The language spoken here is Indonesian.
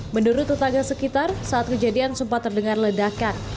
menurut tetangga sekitar saat kejadian sempat terdengar ledakan